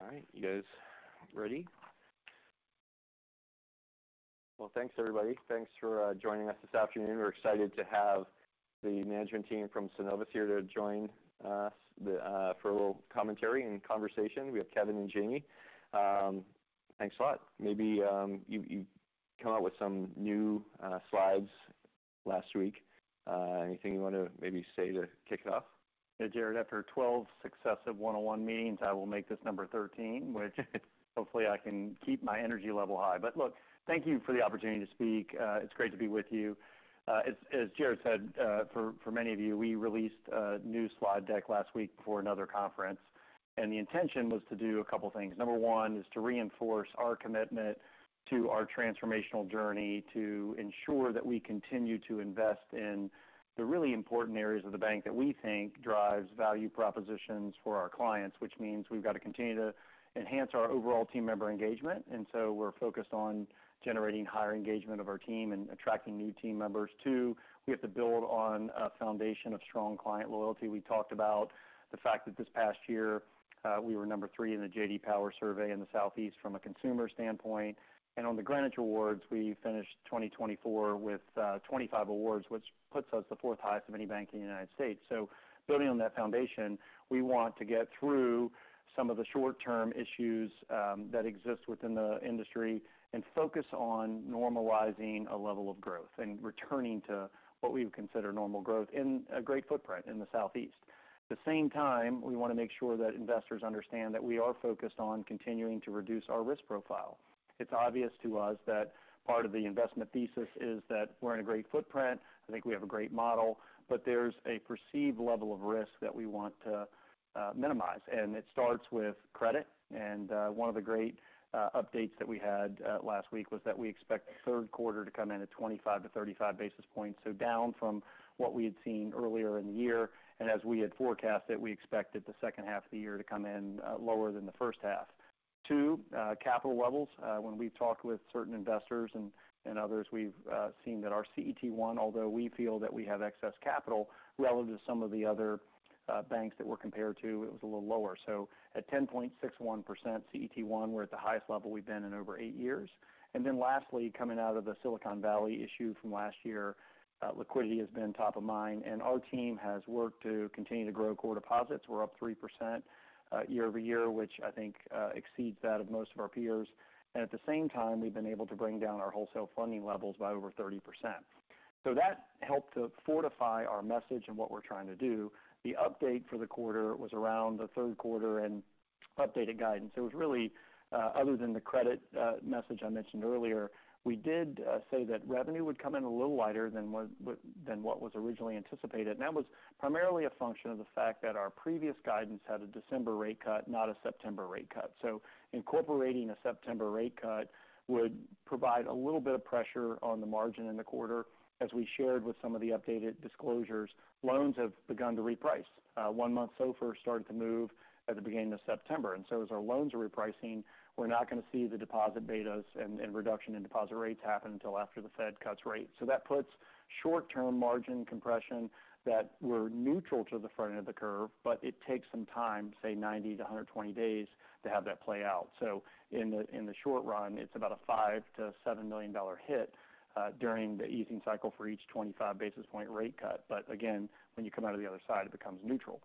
All right, you guys ready? Well, thanks, everybody. Thanks for joining us this afternoon. We're excited to have the management team from Synovus here to join us for a little commentary and conversation. We have Kevin and Jamie. Thanks a lot. Maybe you come out with some new slides last week. Anything you want to maybe say to kick it off? Yeah, Jared, after 12 successive one-on-one meetings, I will make this number 13, which hopefully I can keep my energy level high. But look, thank you for the opportunity to speak. It's great to be with you. As Jared said, for many of you, we released a new slide deck last week before another conference, and the intention was to do a couple of things. Number one is to reinforce our commitment to our transformational journey, to ensure that we continue to invest in the really important areas of the bank that we think drives value propositions for our clients, which means we've got to continue to enhance our overall team member engagement. And so we're focused on generating higher engagement of our team and attracting new team members. Two, we have to build on a foundation of strong client loyalty. We talked about the fact that this past year, we were number three in the J.D. Power survey in the Southeast from a consumer standpoint. And on the Greenwich Awards, we finished 2024 with 25 awards, which puts us the fourth highest of any bank in the United States. So building on that foundation, we want to get through some of the short-term issues that exist within the industry and focus on normalizing a level of growth and returning to what we would consider normal growth in a great footprint in the Southeast. At the same time, we want to make sure that investors understand that we are focused on continuing to reduce our risk profile. It's obvious to us that part of the investment thesis is that we're in a great footprint. I think we have a great model, but there's a perceived level of risk that we want to minimize, and it starts with credit and one of the great updates that we had last week was that we expect the third quarter to come in at 25-35 basis points, so down from what we had seen earlier in the year, and as we had forecasted, we expected the second half of the year to come in lower than the first half. Two, capital levels. When we've talked with certain investors and others, we've seen that our CET1, although we feel that we have excess capital relative to some of the other banks that we're compared to, it was a little lower. So at 10.61% CET1, we're at the highest level we've been in over eight years. And then lastly, coming out of the Silicon Valley issue from last year, liquidity has been top of mind, and our team has worked to continue to grow core deposits. We're up 3%, year over year, which I think exceeds that of most of our peers. And at the same time, we've been able to bring down our wholesale funding levels by over 30%. So that helped to fortify our message and what we're trying to do. The update for the quarter was around the third quarter and updated guidance. It was really other than the credit message I mentioned earlier, we did say that revenue would come in a little lighter than what was originally anticipated. And that was primarily a function of the fact that our previous guidance had a December rate cut, not a September rate cut. So incorporating a September rate cut would provide a little bit of pressure on the margin in the quarter. As we shared with some of the updated disclosures, loans have begun to reprice. One month SOFR started to move at the beginning of September. And so as our loans are repricing, we're not going to see the deposit betas and reduction in deposit rates happen until after the Fed cuts rates. So that puts short-term margin compression that we're neutral to the front end of the curve, but it takes some time, say, ninety to a hundred and twenty days to have that play out. In the short run, it's about a $5 million-$7 million hit during the easing cycle for each 25 basis point rate cut. But again, when you come out of the other side, it becomes neutral.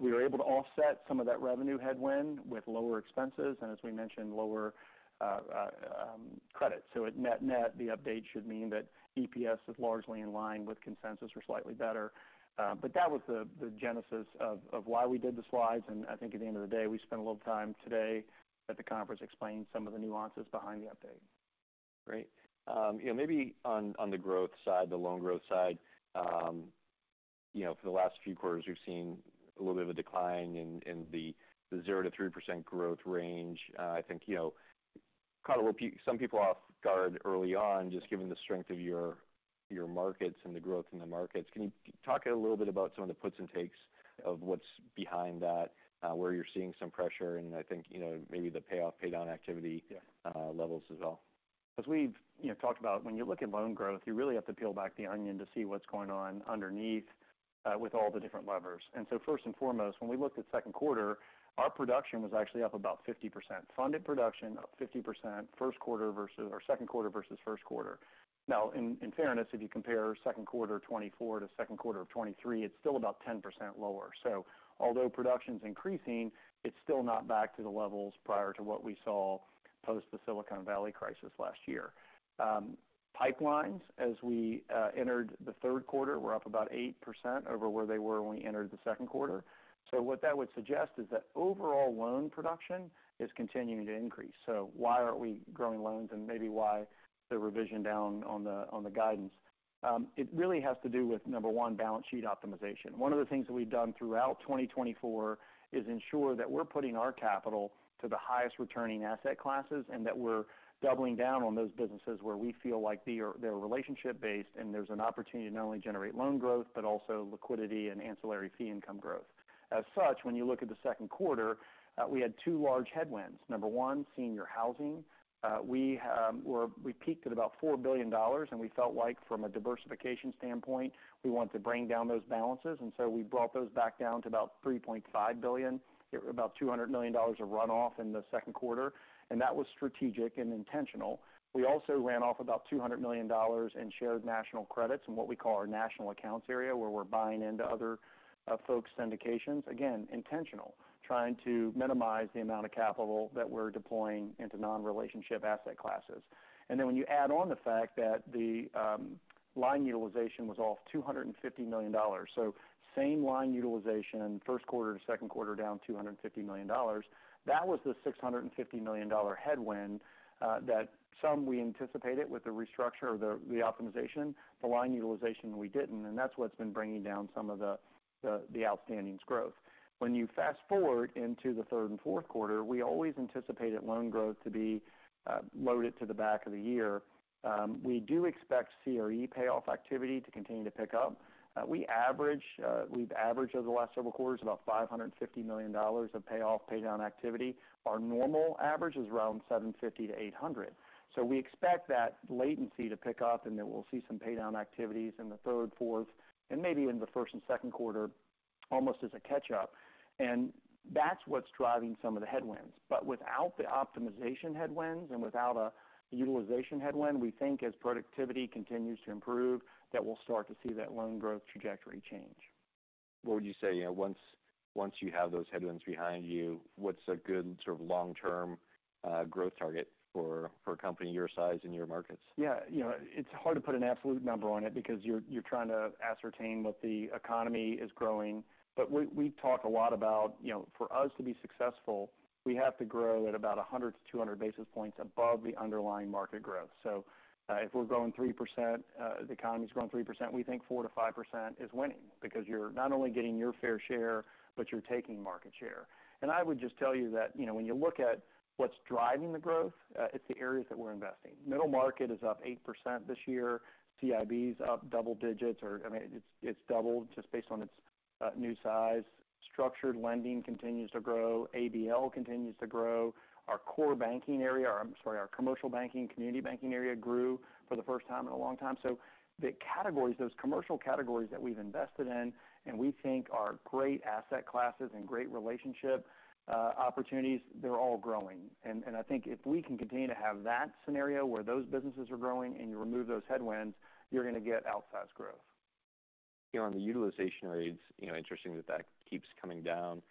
We were able to offset some of that revenue headwind with lower expenses, and as we mentioned, lower credit. So at net, the update should mean that EPS is largely in line with consensus or slightly better. But that was the genesis of why we did the slides. And I think at the end of the day, we spent a little time today at the conference explaining some of the nuances behind the update. Great. You know, maybe on the growth side, the loan growth side, you know, for the last few quarters, we've seen a little bit of a decline in the 0%-3% growth range. I think, you know, caught some people off guard early on, just given the strength of your markets and the growth in the markets. Can you talk a little bit about some of the puts and takes of what's behind that, where you're seeing some pressure? And I think, you know, maybe the payoff, paydown activity- Yeah levels as well. As we've, you know, talked about, when you look at loan growth, you really have to peel back the onion to see what's going on underneath with all the different levers. And so first and foremost, when we looked at second quarter, our production was actually up about 50%. Funded production, up 50%, second quarter versus first quarter. Now, in fairness, if you compare second quarter 2024 to second quarter of 2023, it's still about 10% lower. So although production's increasing, it's still not back to the levels prior to what we saw post the Silicon Valley crisis last year. Pipelines, as we entered the third quarter, were up about 8% over where they were when we entered the second quarter. So what that would suggest is that overall loan production is continuing to increase. Why aren't we growing loans and maybe why the revision down on the guidance? It really has to do with, number one, balance sheet optimization. One of the things that we've done throughout 2024 is ensure that we're putting our capital to the highest returning asset classes, and that we're doubling down on those businesses where we feel like they're relationship-based, and there's an opportunity to not only generate loan growth, but also liquidity and ancillary fee income growth. As such, when you look at the second quarter, we had two large headwinds. Number one, senior housing. We peaked at about $4 billion, and we felt like from a diversification standpoint, we want to bring down those balances, and so we brought those back down to about $3.5 billion, about $200 million of runoff in the second quarter, and that was strategic and intentional. We also ran off about $200 million in shared national credits in what we call our national accounts area, where we're buying into other folks' syndications. Again, intentional, trying to minimize the amount of capital that we're deploying into non-relationship asset classes. And then, when you add on the fact that the line utilization was off $250 million. So same line utilization, first quarter to second quarter, down $250 million. That was the $650 million headwind that some we anticipated with the restructure or the optimization, the line utilization, we didn't, and that's what's been bringing down some of the outstandings growth. When you fast-forward into the third and fourth quarter, we always anticipated loan growth to be loaded to the back of the year. We do expect CRE payoff activity to continue to pick up. We average, we've averaged over the last several quarters, about $550 million of payoff, pay down activity. Our normal average is around $750 million-$800 million. So we expect that activity to pick up, and then we'll see some pay down activities in the third, fourth, and maybe in the first and second quarter, almost as a catch-up. That's what's driving some of the headwinds. But without the optimization headwinds and without a utilization headwind, we think as productivity continues to improve, that we'll start to see that loan growth trajectory change. What would you say, you know, once you have those headwinds behind you, what's a good sort of long-term growth target for a company your size and your markets? Yeah, you know, it's hard to put an absolute number on it because you're trying to ascertain what the economy is growing. But we talk a lot about, you know, for us to be successful, we have to grow at about 100-200 basis points above the underlying market growth. So, if we're growing 3%, the economy's growing 3%, we think 4%-5% is winning because you're not only getting your fair share, but you're taking market share. And I would just tell you that, you know, when you look at what's driving the growth, it's the areas that we're investing. Middle market is up 8% this year. CIB is up double digits, or, I mean, it's doubled just based on its new size. Structured lending continues to grow. ABL continues to grow. Our core banking area, or I'm sorry, our commercial banking, community banking area grew for the first time in a long time. So the categories, those commercial categories that we've invested in, and we think are great asset classes and great relationship opportunities, they're all growing. And, and I think if we can continue to have that scenario where those businesses are growing and you remove those headwinds, you're gonna get outsized growth. Here on the utilization rates, you know, interesting that that keeps coming down.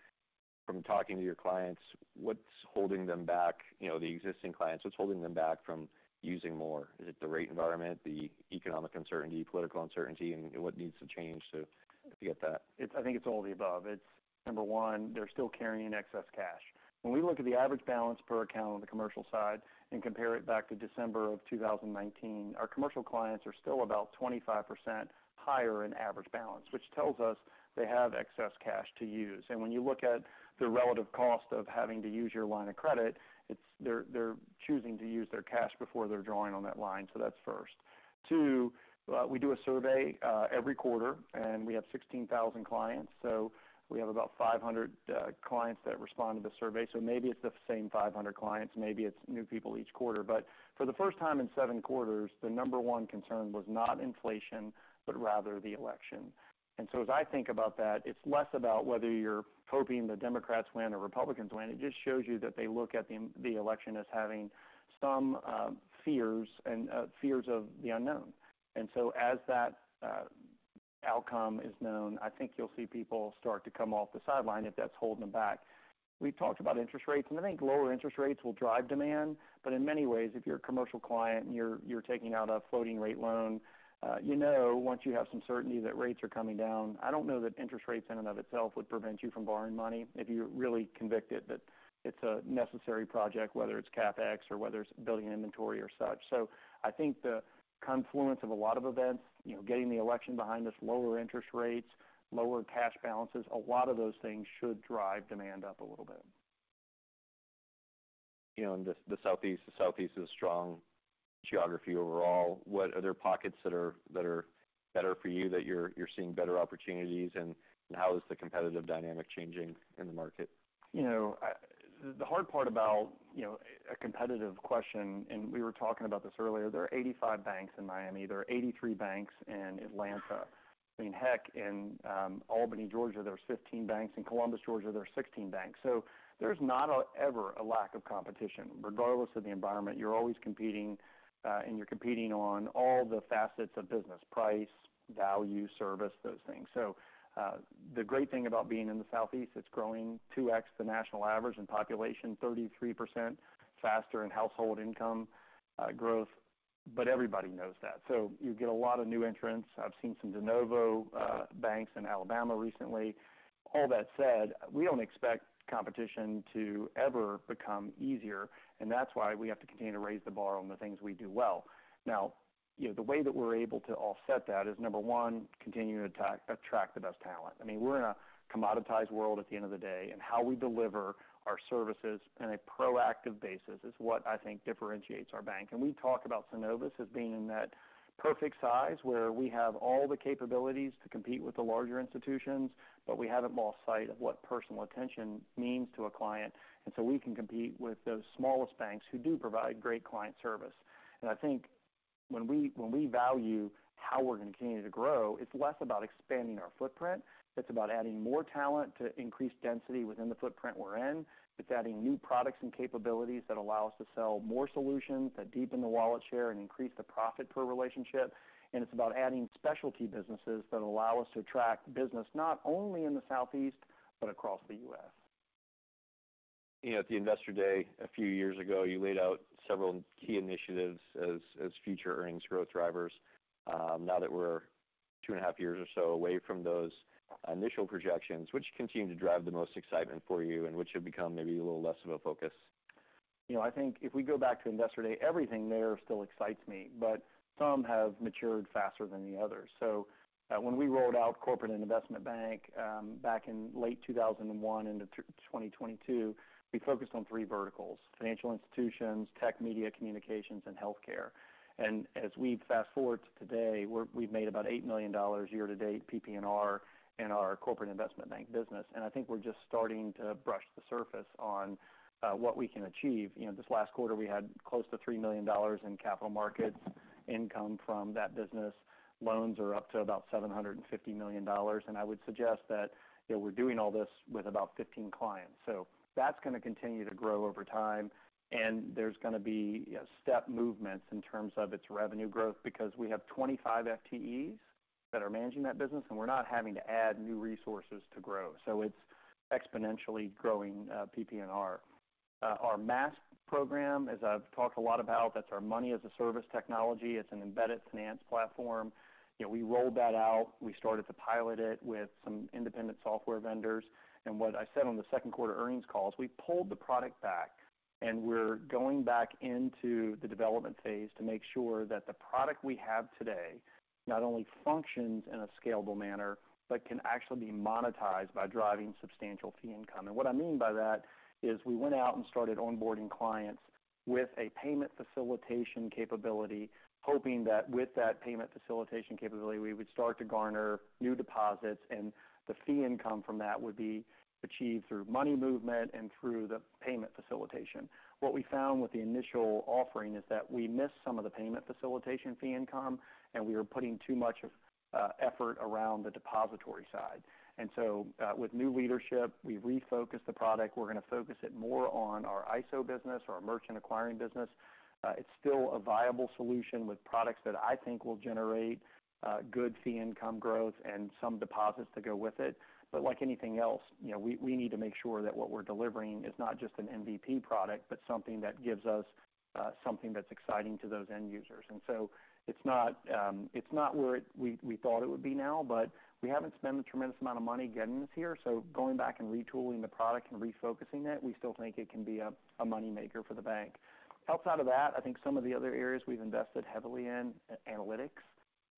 From talking to your clients, what's holding them back, you know, the existing clients, what's holding them back from using more? Is it the rate environment, the economic uncertainty, political uncertainty, and what needs to change to get that? I think it's all the above. It's, number one, they're still carrying excess cash. When we look at the average balance per account on the commercial side and compare it back to December of 2019, our commercial clients are still about 25% higher in average balance, which tells us they have excess cash to use. And when you look at the relative cost of having to use your line of credit, it's- they're, they're choosing to use their cash before they're drawing on that line, so that's first. Two, we do a survey every quarter, and we have 16,000 clients, so we have about 500 clients that respond to the survey. So maybe it's the same 500 clients, maybe it's new people each quarter. But for the first time in seven quarters, the number one concern was not inflation, but rather the election. And so as I think about that, it's less about whether you're hoping the Democrats win or Republicans win. It just shows you that they look at the election as having some fears of the unknown. And so as that outcome is known, I think you'll see people start to come off the sideline if that's holding them back. We've talked about interest rates, and I think lower interest rates will drive demand, but in many ways, if you're a commercial client and you're taking out a floating rate loan, you know, once you have some certainty that rates are coming down, I don't know that interest rates in and of itself would prevent you from borrowing money if you're really convicted that it's a necessary project, whether it's CapEx or whether it's building inventory or such. So I think the confluence of a lot of events, you know, getting the election behind us, lower interest rates, lower cash balances, a lot of those things should drive demand up a little bit.... you know, in the Southeast, the Southeast is a strong geography overall. What other pockets that are better for you, that you're seeing better opportunities, and how is the competitive dynamic changing in the market? You know, the hard part about, you know, a competitive question, and we were talking about this earlier, there are 85 banks in Miami. There are 83 banks in Atlanta. I mean, heck, in Albany, Georgia, there's 15 banks. In Columbus, Georgia, there are 16 banks. So there's not ever a lack of competition. Regardless of the environment, you're always competing, and you're competing on all the facets of business, price, value, service, those things. So, the great thing about being in the Southeast, it's growing 2X the national average in population, 33% faster in household income growth, but everybody knows that. So you get a lot of new entrants. I've seen some de novo banks in Alabama recently. All that said, we don't expect competition to ever become easier, and that's why we have to continue to raise the bar on the things we do well. Now, you know, the way that we're able to offset that is, number one, continuing to attract the best talent. I mean, we're in a commoditized world at the end of the day, and how we deliver our services in a proactive basis is what I think differentiates our bank. And we talk about Synovus as being in that perfect size, where we have all the capabilities to compete with the larger institutions, but we haven't lost sight of what personal attention means to a client. And so we can compete with those smallest banks who do provide great client service. I think when we value how we're going to continue to grow, it's less about expanding our footprint. It's about adding more talent to increase density within the footprint we're in. It's adding new products and capabilities that allow us to sell more solutions, that deepen the wallet share and increase the profit per relationship. It's about adding specialty businesses that allow us to attract business not only in the Southeast, but across the US. You know, at the Investor Day, a few years ago, you laid out several key initiatives as future earnings growth drivers. Now that we're two and a half years or so away from those initial projections, which continue to drive the most excitement for you and which have become maybe a little less of a focus? You know, I think if we go back to Investor Day, everything there still excites me, but some have matured faster than the others. So when we rolled out Corporate and Investment Banking back in late 2021 into 2022, we focused on three verticals: financial institutions, tech, media, communications, and healthcare. And as we fast forward to today, we've made about $8 million year to date, PPNR, in our Corporate and Investment Banking business. And I think we're just starting to brush the surface on what we can achieve. You know, this last quarter, we had close to $3 million in capital markets income from that business. Loans are up to about $750 million, and I would suggest that, you know, we're doing all this with about 15 clients. So that's gonna continue to grow over time, and there's gonna be step movements in terms of its revenue growth, because we have 25 FTEs that are managing that business, and we're not having to add new resources to grow. So it's exponentially growing PPNR. Our Maast program, as I've talked a lot about, that's our money as a service technology. It's an embedded finance platform. You know, we rolled that out. We started to pilot it with some independent software vendors. And what I said on the second quarter earnings call is we pulled the product back and we're going back into the development phase to make sure that the product we have today not only functions in a scalable manner, but can actually be monetized by driving substantial fee income. And what I mean by that, is we went out and started onboarding clients with a payment facilitation capability, hoping that with that payment facilitation capability, we would start to garner new deposits, and the fee income from that would be achieved through money movement and through the payment facilitation. What we found with the initial offering is that we missed some of the payment facilitation fee income, and we were putting too much effort around the depository side. And so, with new leadership, we've refocused the product. We're gonna focus it more on our ISO business, our merchant acquiring business. It's still a viable solution with products that I think will generate good fee income growth and some deposits to go with it. But like anything else, you know, we need to make sure that what we're delivering is not just an MVP product, but something that gives us something that's exciting to those end users. And so it's not where we thought it would be now, but we haven't spent a tremendous amount of money getting this here. So going back and retooling the product and refocusing it, we still think it can be a money maker for the bank. Outside of that, I think some of the other areas we've invested heavily in, analytics.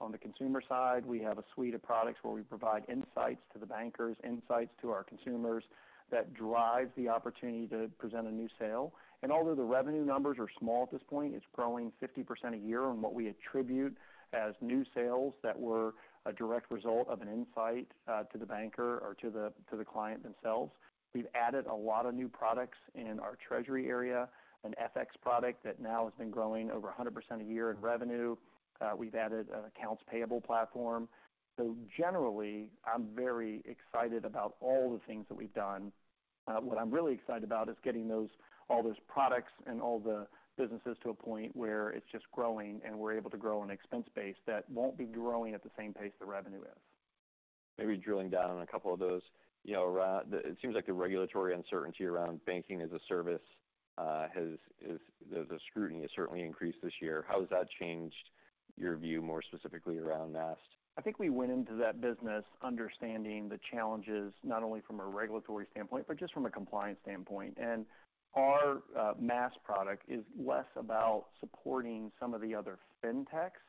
On the consumer side, we have a suite of products where we provide insights to the bankers, insights to our consumers, that drive the opportunity to present a new sale. And although the revenue numbers are small at this point, it's growing 50% a year on what we attribute as new sales that were a direct result of an insight to the banker or to the client themselves. We've added a lot of new products in our treasury area, an FX product that now has been growing over 100% a year in revenue. We've added an accounts payable platform. So generally, I'm very excited about all the things that we've done. What I'm really excited about is getting those, all those products and all the businesses to a point where it's just growing, and we're able to grow an expense base that won't be growing at the same pace the revenue is. Maybe drilling down on a couple of those, you know, around... It seems like the regulatory uncertainty around banking as a service. The scrutiny has certainly increased this year. How has that changed your view, more specifically around Maast? I think we went into that business understanding the challenges, not only from a regulatory standpoint, but just from a compliance standpoint, and our Maast product is less about supporting some of the other fintechs.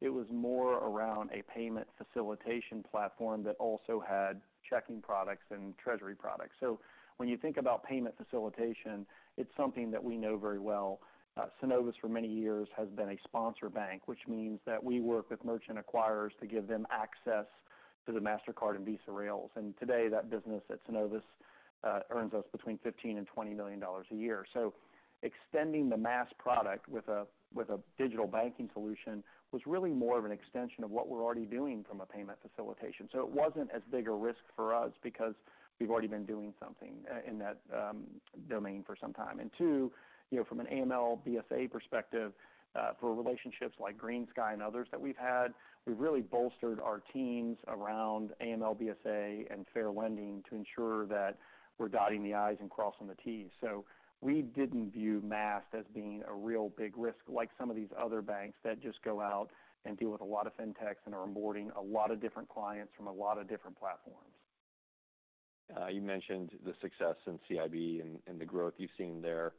It was more around a payment facilitation platform that also had checking products and treasury products, so when you think about payment facilitation, it's something that we know very well. Synovus, for many years, has been a sponsor bank, which means that we work with merchant acquirers to give them access to the Mastercard and Visa rails, and today, that business at Synovus earns us between $15 million and $20 million a year, so extending the Maast product with a digital banking solution was really more of an extension of what we're already doing from a payment facilitation. So it wasn't as big a risk for us because we've already been doing something in that domain for some time. And two, you know, from an AML BSA perspective, for relationships like GreenSky and others that we've had, we've really bolstered our teams around AML BSA and fair lending to ensure that we're dotting the I's and crossing the T's. So we didn't view Mastercard as being a real big risk like some of these other banks that just go out and deal with a lot of Fintechs and are onboarding a lot of different clients from a lot of different platforms. You mentioned the success in CIB and the growth you've seen there.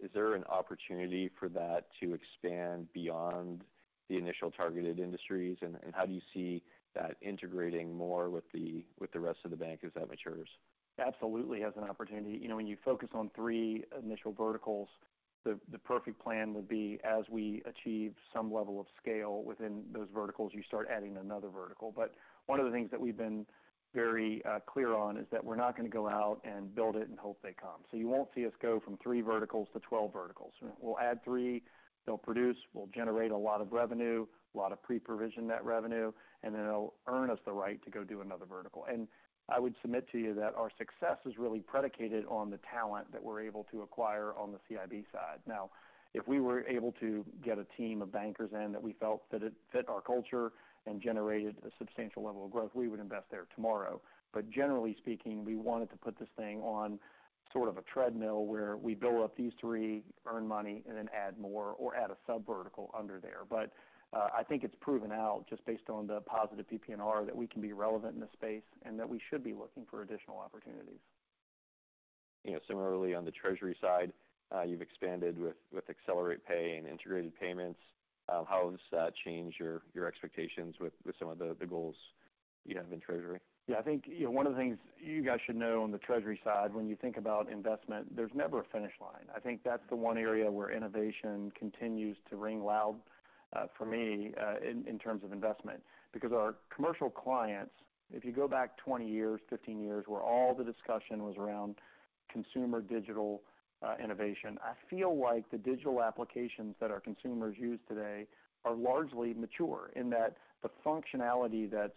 Is there an opportunity for that to expand beyond the initial targeted industries? How do you see that integrating more with the rest of the bank as that matures? Absolutely, as an opportunity. You know, when you focus on three initial verticals, the perfect plan would be as we achieve some level of scale within those verticals, you start adding another vertical, but one of the things that we've been very clear on is that we're not gonna go out and build it and hope they come, so you won't see us go from three verticals to twelve verticals. We'll add three, they'll produce, we'll generate a lot of revenue, a lot of pre-provision net revenue, and then it'll earn us the right to go do another vertical, and I would submit to you that our success is really predicated on the talent that we're able to acquire on the CIB side. Now, if we were able to get a team of bankers in that we felt that it fit our culture and generated a substantial level of growth, we would invest there tomorrow. But generally speaking, we wanted to put this thing on sort of a treadmill where we build up these three, earn money, and then add more or add a sub-vertical under there. But, I think it's proven out, just based on the positive PPNR, that we can be relevant in this space and that we should be looking for additional opportunities. You know, similarly, on the treasury side, you've expanded with, with Accelerate Pay and integrated payments. How has that changed your, your expectations with, with some of the, the goals you have in treasury? Yeah, I think, you know, one of the things you guys should know on the treasury side, when you think about investment, there's never a finish line. I think that's the one area where innovation continues to ring loud, for me, in terms of investment. Because our commercial clients, if you go back twenty years, fifteen years, where all the discussion was around consumer digital, innovation, I feel like the digital applications that our consumers use today are largely mature, in that the functionality that's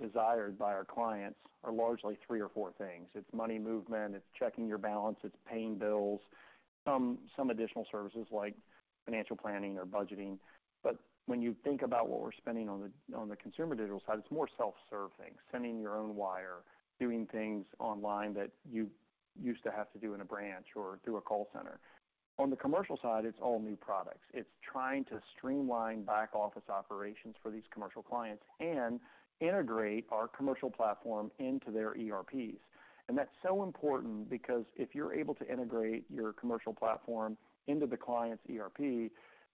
desired by our clients are largely three or four things. It's money movement, it's checking your balance, it's paying bills, some additional services like financial planning or budgeting. But when you think about what we're spending on the consumer digital side, it's more self-serve things, sending your own wire, doing things online that you used to have to do in a branch or through a call center. On the commercial side, it's all new products. It's trying to streamline back office operations for these commercial clients and integrate our commercial platform into their ERPs. And that's so important because if you're able to integrate your commercial platform into the client's ERP,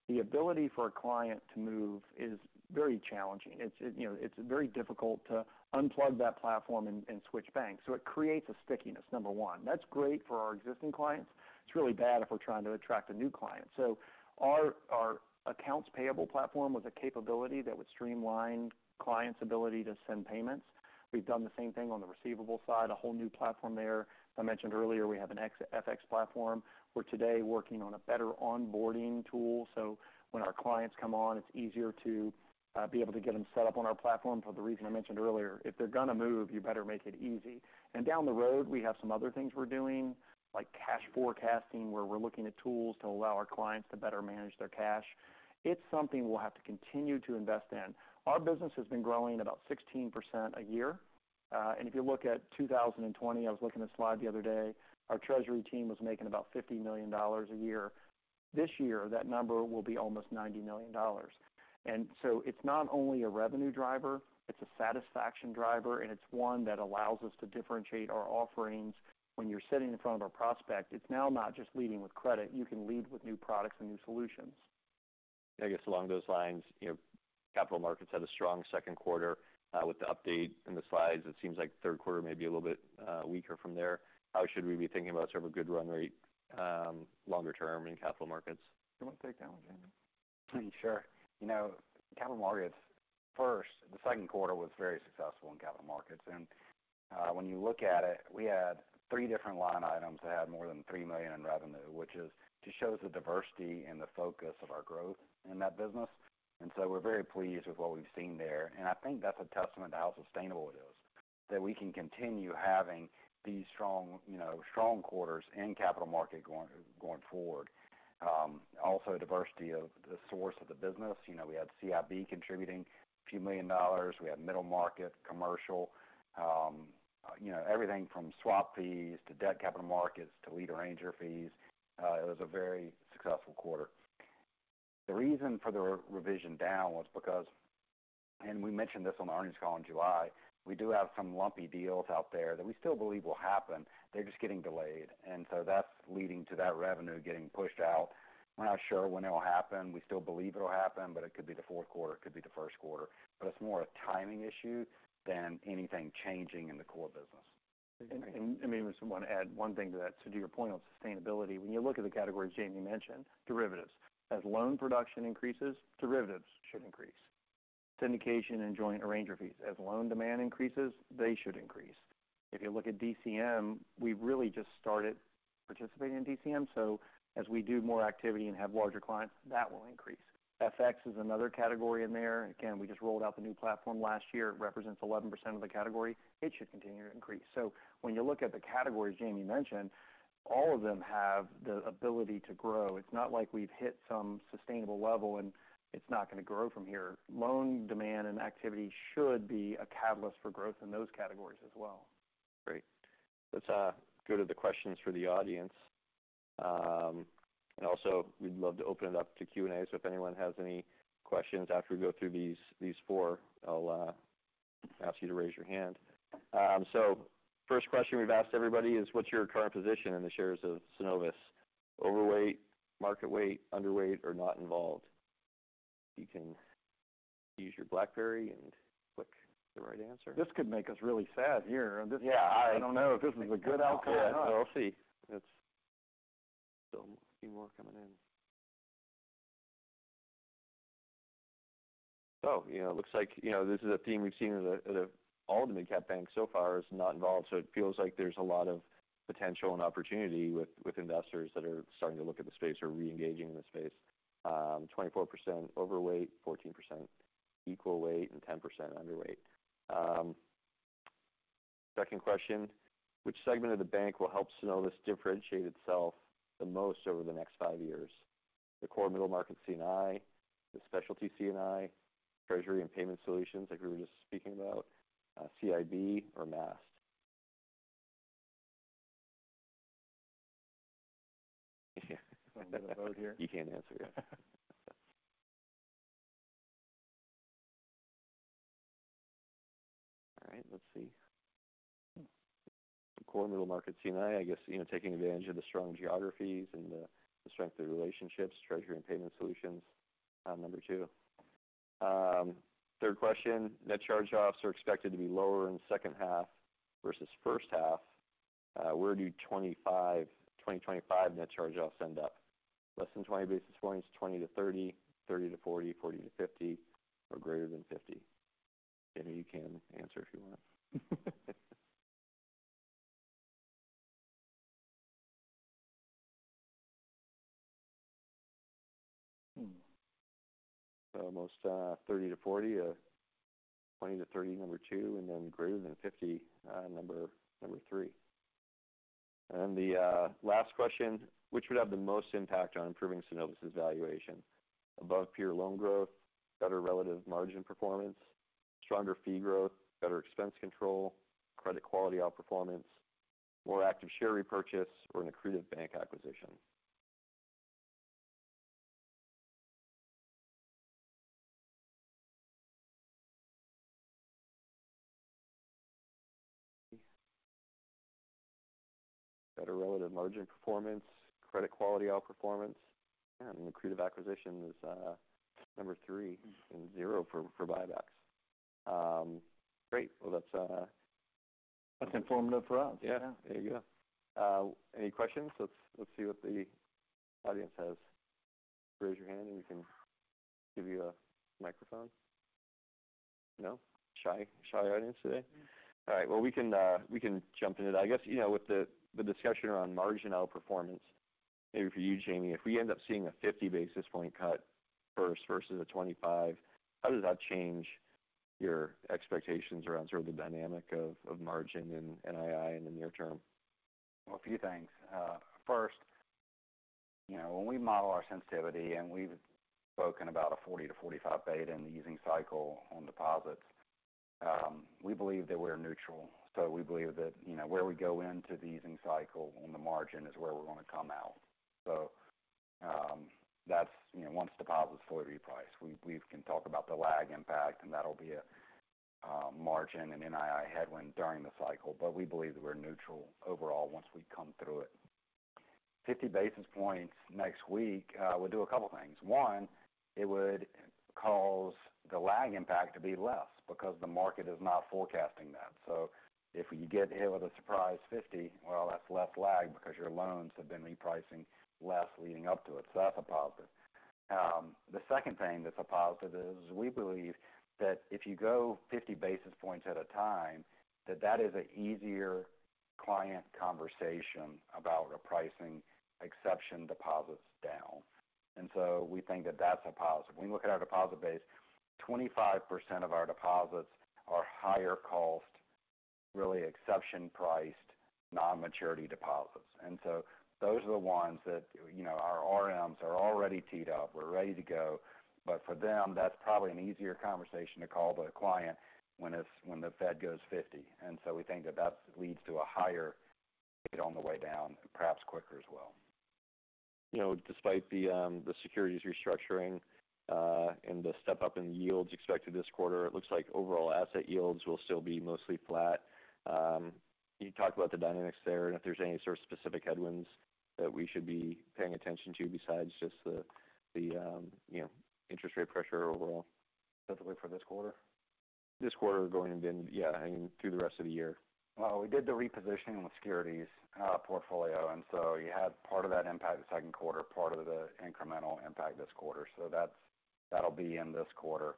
the ability for a client to move is very challenging. It, you know, it's very difficult to unplug that platform and switch banks. So it creates a stickiness, number one. That's great for our existing clients. It's really bad if we're trying to attract a new client. So our accounts payable platform was a capability that would streamline clients' ability to send payments. We've done the same thing on the receivable side, a whole new platform there. I mentioned earlier, we have an FX platform. We're today working on a better onboarding tool, so when our clients come on, it's easier to be able to get them set up on our platform for the reason I mentioned earlier. If they're gonna move, you better make it easy. And down the road, we have some other things we're doing, like cash forecasting, where we're looking at tools to allow our clients to better manage their cash. It's something we'll have to continue to invest in. Our business has been growing about 16% a year. And if you look at 2020, I was looking at a slide the other day, our treasury team was making about $50 million a year. This year, that number will be almost $90 million. And so it's not only a revenue driver, it's a satisfaction driver, and it's one that allows us to differentiate our offerings. When you're sitting in front of a prospect, it's now not just leading with credit, you can lead with new products and new solutions. I guess along those lines, you know, capital markets had a strong second quarter. With the update in the slides, it seems like third quarter may be a little bit weaker from there. How should we be thinking about sort of a good run rate longer term in capital markets? You want to take that one, Jamie? Sure. You know, capital markets, first, the second quarter was very successful in capital markets. And when you look at it, we had three different line items that had more than $3 million in revenue, which just shows the diversity and the focus of our growth in that business. And so we're very pleased with what we've seen there. And I think that's a testament to how sustainable it is, that we can continue having these strong, you know, strong quarters in capital markets going forward. Also, diversity of the source of the business. You know, we had CIB contributing a few million dollars. We had middle market, commercial, you know, everything from swap fees to debt capital markets, to lead arranger fees. It was a very successful quarter. The reason for the revision down was because-... And we mentioned this on the earnings call in July. We do have some lumpy deals out there that we still believe will happen. They're just getting delayed, and so that's leading to that revenue getting pushed out. We're not sure when it will happen. We still believe it'll happen, but it could be the fourth quarter, it could be the first quarter, but it's more a timing issue than anything changing in the core business. Maybe just want to add one thing to that. So to your point on sustainability, when you look at the categories Jamie mentioned, derivatives, as loan production increases, derivatives should increase. Syndication and joint arranger fees, as loan demand increases, they should increase. If you look at DCM, we've really just started participating in DCM, so as we do more activity and have larger clients, that will increase. FX is another category in there. Again, we just rolled out the new platform last year. It represents 11% of the category. It should continue to increase. So when you look at the categories Jamie mentioned, all of them have the ability to grow. It's not like we've hit some sustainable level, and it's not going to grow from here. Loan demand and activity should be a catalyst for growth in those categories as well. Great. Let's go to the questions for the audience. And also, we'd love to open it up to Q&A. So if anyone has any questions after we go through these four, I'll ask you to raise your hand. So first question we've asked everybody is, what's your current position in the shares of Synovus? Overweight, market weight, underweight, or not involved. You can use your BlackBerry and click the right answer. This could make us really sad here. Yeah, I- I don't know if this is a good outcome or not. Yeah. We'll see. It's still a few more coming in. So, you know, it looks like, you know, this is a theme we've seen at all the mid-cap banks so far is not involved. So it feels like there's a lot of potential and opportunity with investors that are starting to look at the space or reengaging in the space. 24% overweight, 14% equal weight, and 10% underweight. Second question: Which segment of the bank will help Synovus differentiate itself the most over the next five years? The core middle market C&I, the specialty C&I, treasury and payment solutions, like we were just speaking about, CIB or Maast? Having a vote here. You can't answer yet. All right, let's see. The core middle market C&I, I guess, you know, taking advantage of the strong geographies and the strength of the relationships, treasury and payment solutions, number two. Third question, net charge-offs are expected to be lower in the second half versus first half. Where do 2025 net charge-offs end up? Less than 20 basis points, 20-30, 30-40, 40-50, or greater than 50. Jamie, you can answer if you want. Hmm. Almost, 30-40, 20-30, number two, and then greater than 50, number three. And the last question, which would have the most impact on improving Synovus's valuation? Above-peer loan growth, better relative margin performance, stronger fee growth, better expense control, credit quality outperformance, more active share repurchase, or an accretive bank acquisition. Better relative margin performance, credit quality outperformance, and accretive acquisition is number three, and zero for buybacks. Great. Well, that's. That's informative for us. Yeah. There you go. Any questions? Let's see what the audience has. Raise your hand, and we can give you a microphone. No? Shy, shy audience today. All right, well, we can jump into it. I guess, you know, with the discussion around margin outperformance, maybe for you, Jamie, if we end up seeing a 50 basis point cut first versus a 25, how does that change your expectations around sort of the dynamic of margin and NII in the near term? A few things. First, you know, when we model our sensitivity, and we've spoken about a 40-45 beta in the easing cycle on deposits, we believe that we're neutral. So we believe that, you know, where we go into the easing cycle on the margin is where we're going to come out. So that's, you know, once deposits fully reprice, we can talk about the lag impact, and that'll be a margin and NII headwind during the cycle, but we believe that we're neutral overall once we come through it. 50 basis points next week would do a couple of things. One, it would cause the lag impact to be less because the market is not forecasting that. So if we get hit with a surprise 50, well, that's less lag because your loans have been repricing less leading up to it. That's a positive. The second thing that's a positive is, we believe that if you go 50 basis points at a time, that that is an easier client conversation about a pricing exception, deposits down. We think that that's a positive. When we look at our deposit base, 25% of our deposits are higher cost, really exception-priced, non-maturity deposits. Those are the ones that, you know, our RMs are already teed up. We're ready to go, but for them, that's probably an easier conversation to call the client when the Fed goes 50. We think that that leads to a higher rate on the way down, and perhaps quicker as well.... you know, despite the securities restructuring, and the step up in yields expected this quarter, it looks like overall asset yields will still be mostly flat. Can you talk about the dynamics there, and if there's any sort of specific headwinds that we should be paying attention to, besides just the, you know, interest rate pressure overall? Specifically for this quarter? This quarter, going into, yeah, I mean, through the rest of the year. We did the repositioning with securities portfolio, and so you had part of that impact the second quarter, part of the incremental impact this quarter. So that's - that'll be in this quarter.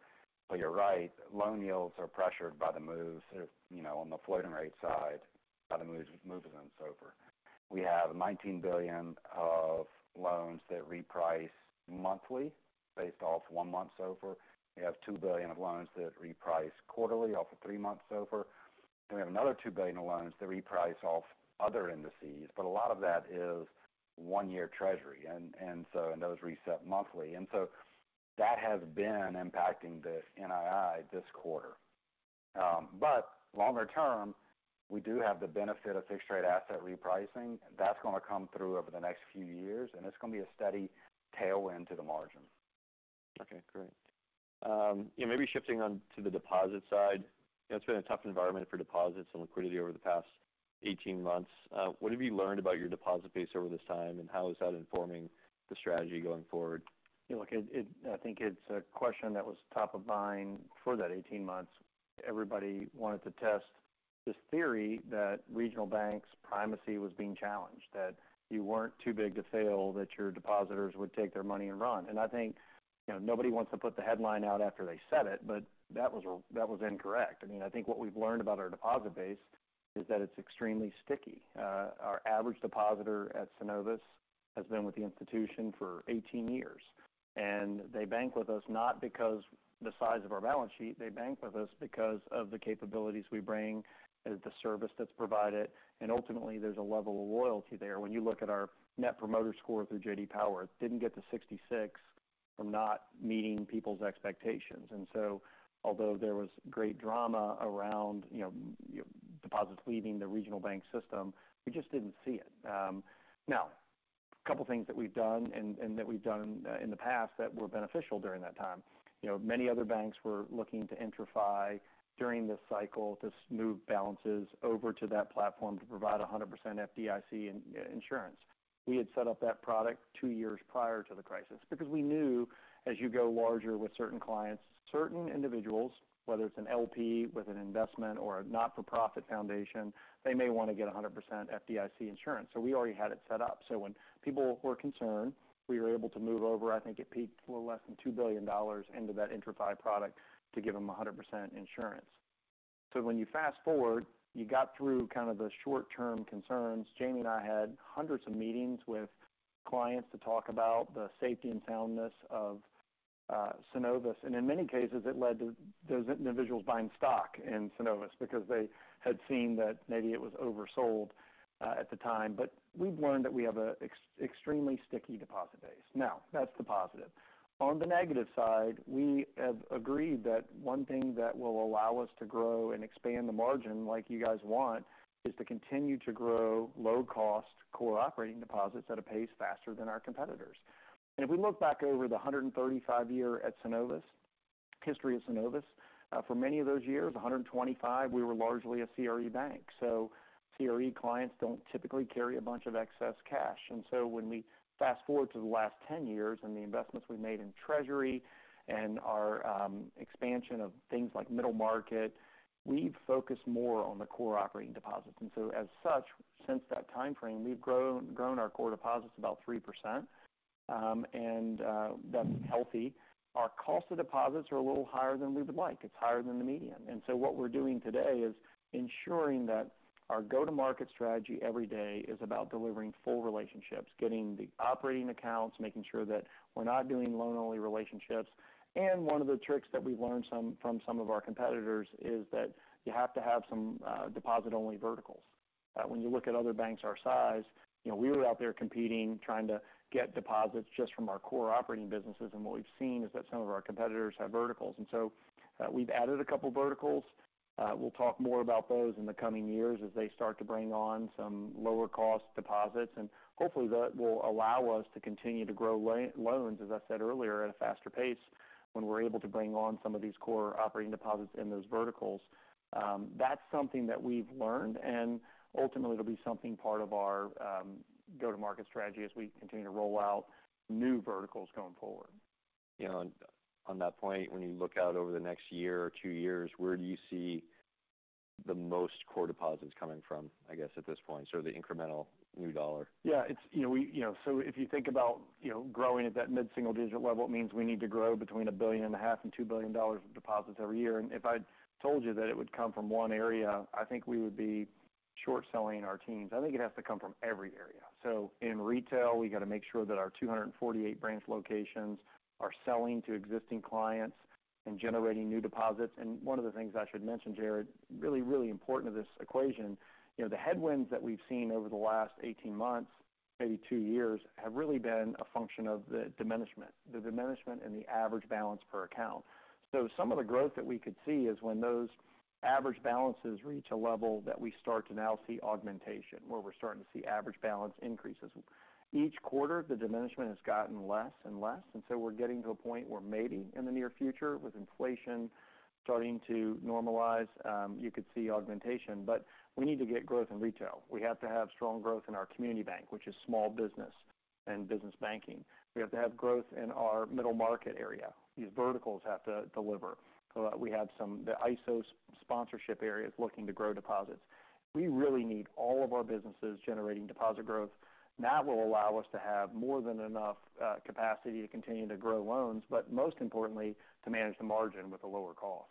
But you're right, loan yields are pressured by the moves, you know, on the floating rate side, by the moves and so forth. We have $19 billion of loans that reprice monthly based off one month SOFR. We have $2 billion of loans that reprice quarterly off of three months SOFR, and we have another $2 billion in loans that reprice off other indices. But a lot of that is one-year treasury, and so those reset monthly. And so that has been impacting the NII this quarter. But longer term, we do have the benefit of fixed rate asset repricing. That's gonna come through over the next few years, and it's gonna be a steady tailwind to the margin. Okay, great. Yeah, maybe shifting on to the deposit side. It's been a tough environment for deposits and liquidity over the past eighteen months. What have you learned about your deposit base over this time, and how is that informing the strategy going forward? Yeah, look, I think it's a question that was top of mind for that eighteen months. Everybody wanted to test this theory that regional banks primacy was being challenged, that you weren't too big to fail, that your depositors would take their money and run. And I think, you know, nobody wants to put the headline out after they said it, but that was incorrect. I mean, I think what we've learned about our deposit base is that it's extremely sticky. Our average depositor at Synovus has been with the institution for eighteen years, and they bank with us not because the size of our balance sheet; they bank with us because of the capabilities we bring, and the service that's provided. And ultimately, there's a level of loyalty there. When you look at our Net Promoter Score through J.D. Power, it didn't get to 66 from not meeting people's expectations, so although there was great drama around, you know, deposits leaving the regional bank system, we just didn't see it. Now, a couple of things that we've done and that we've done in the past that were beneficial during that time. You know, many other banks were looking to IntraFi during this cycle, to move balances over to that platform to provide 100% FDIC insurance. We had set up that product two years prior to the crisis, because we knew as you go larger with certain clients, certain individuals, whether it's an LP with an investment or a not-for-profit foundation, they may want to get 100% FDIC insurance. So we already had it set up. So when people were concerned, we were able to move over. I think it peaked a little less than $2 billion into that IntraFi product to give them 100% insurance. So when you fast forward, you got through kind of the short-term concerns. Jamie and I had hundreds of meetings with clients to talk about the safety and soundness of Synovus, and in many cases, it led to those individuals buying stock in Synovus because they had seen that maybe it was oversold at the time. But we've learned that we have an extremely sticky deposit base. Now, that's the positive. On the negative side, we have agreed that one thing that will allow us to grow and expand the margin, like you guys want, is to continue to grow low cost core operating deposits at a pace faster than our competitors. If we look back over the hundred and thirty-five-year history of Synovus, for many of those years, a hundred and twenty-five, we were largely a CRE bank. So CRE clients don't typically carry a bunch of excess cash. And so when we fast forward to the last ten years and the investments we've made in Treasury and our expansion of things like middle market, we've focused more on the core operating deposits. And so as such, since that time frame, we've grown our core deposits about 3%, and that's healthy. Our cost of deposits are a little higher than we would like. It's higher than the median. And so what we're doing today is ensuring that our go-to-market strategy every day is about delivering full relationships, getting the operating accounts, making sure that we're not doing loan-only relationships. One of the tricks that we've learned from some of our competitors is that you have to have some deposit-only verticals. That when you look at other banks our size, you know, we were out there competing, trying to get deposits just from our core operating businesses, and what we've seen is that some of our competitors have verticals. So we've added a couple of verticals. We'll talk more about those in the coming years as they start to bring on some lower-cost deposits, and hopefully, that will allow us to continue to grow loans, as I said earlier, at a faster pace, when we're able to bring on some of these core operating deposits in those verticals. That's something that we've learned, and ultimately, it'll be something part of our go-to-market strategy as we continue to roll out new verticals going forward. You know, on that point, when you look out over the next year or two years, where do you see the most core deposits coming from, I guess, at this point, sort of the incremental new dollar? Yeah, it's, you know, we, you know, so if you think about, you know, growing at that mid-single digit level, it means we need to grow between $1.5 billion and $2 billion of deposits every year. And if I told you that it would come from one area, I think we would be short-selling our teams. I think it has to come from every area. So in retail, we got to make sure that our 248 branch locations are selling to existing clients and generating new deposits. And one of the things I should mention, Jared, really, really important to this equation, you know, the headwinds that we've seen over the last eighteen months, maybe two years, have really been a function of the diminishment and the average balance per account. Some of the growth that we could see is when those average balances reach a level that we start to now see augmentation, where we're starting to see average balance increases. Each quarter, the diminishment has gotten less and less, and so we're getting to a point where maybe in the near future, with inflation starting to normalize, you could see augmentation, but we need to get growth in retail. We have to have strong growth in our community bank, which is small business and business banking. We have to have growth in our middle market area. These verticals have to deliver. So we have some, the ISO sponsorship areas looking to grow deposits. We really need all of our businesses generating deposit growth. That will allow us to have more than enough capacity to continue to grow loans, but most importantly, to manage the margin with a lower cost.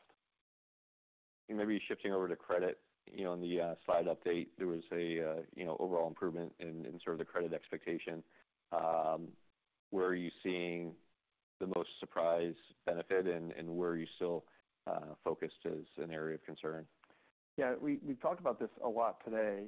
Maybe shifting over to credit. You know, in the slide update, there was a you know, overall improvement in sort of the credit expectation. Where are you seeing the most surprise benefit, and where are you still focused as an area of concern? Yeah, we, we've talked about this a lot today.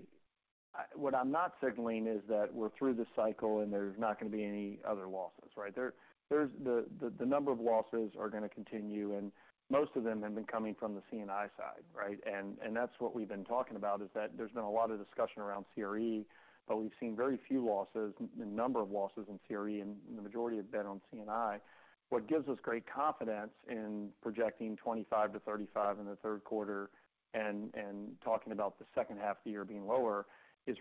What I'm not signaling is that we're through the cycle, and there's not going to be any other losses, right? There's the number of losses are going to continue, and most of them have been coming from the C&I side, right? And that's what we've been talking about, is that there's been a lot of discussion around CRE, but we've seen very few losses, the number of losses in CRE, and the majority have been on C&I. What gives us great confidence in projecting 25-35 in the third quarter and talking about the second half of the year being lower, is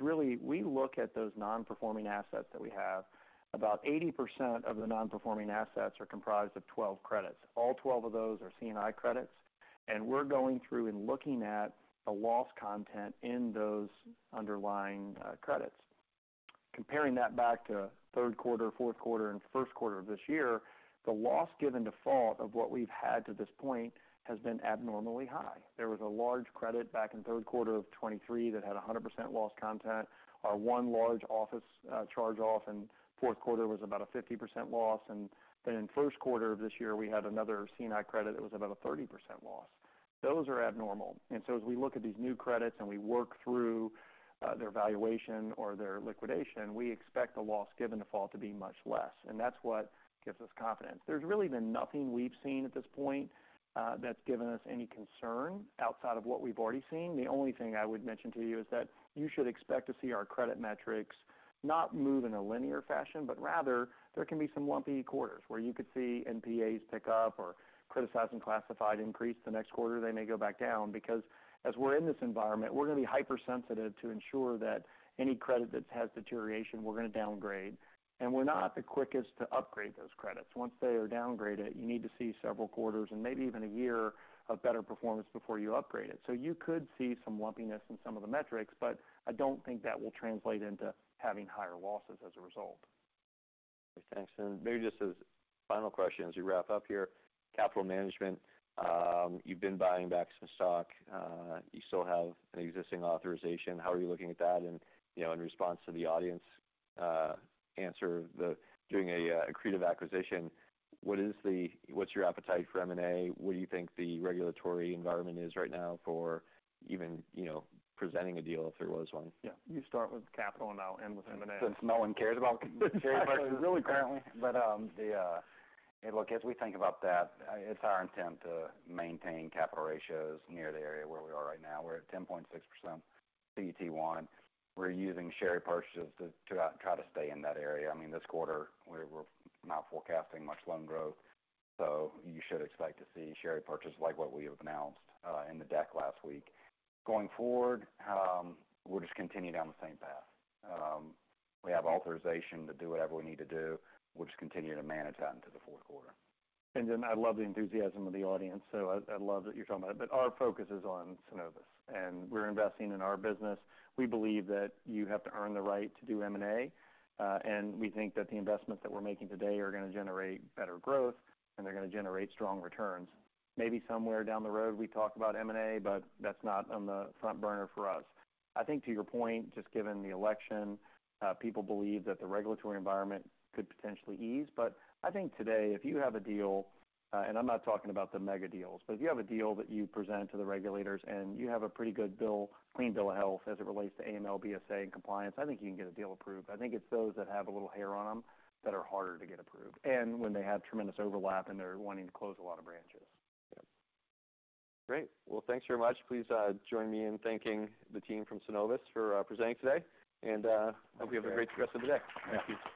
really, we look at those non-performing assets that we have. About 80% of the non-performing assets are comprised of 12 credits. All twelve of those are C&I credits, and we're going through and looking at the loss content in those underlying credits. Comparing that back to third quarter, fourth quarter, and first quarter of this year, the loss given default of what we've had to this point has been abnormally high. There was a large credit back in third quarter of 2023 that had 100% loss content. Our one large office charge-off in fourth quarter was about a 50% loss, and then in first quarter of this year, we had another C&I credit that was about a 30% loss. Those are abnormal. And so as we look at these new credits and we work through their valuation or their liquidation, we expect the loss given default to be much less, and that's what gives us confidence. There's really been nothing we've seen at this point that's given us any concern outside of what we've already seen. The only thing I would mention to you is that you should expect to see our credit metrics not move in a linear fashion, but rather there can be some lumpy quarters where you could see NPAs pick up or criticized and classified increase. The next quarter, they may go back down, because as we're in this environment, we're going to be hypersensitive to ensure that any credit that has deterioration, we're going to downgrade. And we're not the quickest to upgrade those credits. Once they are downgraded, you need to see several quarters and maybe even a year of better performance before you upgrade it. So you could see some lumpiness in some of the metrics, but I don't think that will translate into having higher losses as a result. Thanks. And maybe just as a final question, as we wrap up here, capital management. You've been buying back some stock. You still have an existing authorization. How are you looking at that? And, you know, in response to the audience answer, doing an accretive acquisition, what's your appetite for M&A? What do you think the regulatory environment is right now for even, you know, presenting a deal if there was one? Yeah, you start with capital, and I'll end with M&A. Since no one cares about- Actually, really, currently. But, look, as we think about that, it's our intent to maintain capital ratios near the area where we are right now. We're at 10.6% CET1. We're using share purchases to try to stay in that area. I mean, this quarter, we're not forecasting much loan growth, so you should expect to see share purchases like what we have announced in the deck last week. Going forward, we'll just continue down the same path. We have authorization to do whatever we need to do. We'll just continue to manage that into the fourth quarter. And then I love the enthusiasm of the audience, so I love that you're talking about it, but our focus is on Synovus, and we're investing in our business. We believe that you have to earn the right to do M&A, and we think that the investments that we're making today are going to generate better growth, and they're going to generate strong returns. Maybe somewhere down the road, we talk about M&A, but that's not on the front burner for us. I think to your point, just given the election, people believe that the regulatory environment could potentially ease. But I think today, if you have a deal, and I'm not talking about the mega deals, but if you have a deal that you present to the regulators and you have a pretty good bill, clean bill of health, as it relates to AML, BSA, and compliance, I think you can get a deal approved. I think it's those that have a little hair on them that are harder to get approved, and when they have tremendous overlap and they're wanting to close a lot of branches. Great. Thanks very much. Please, join me in thanking the team from Synovus for presenting today, and hope you have a great rest of the day. Thank you.